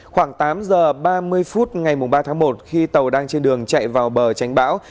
khoảng tám giờ ba mươi phút ngày ba tháng một khi tàu đang trên đường chạy vào bờ tránh bão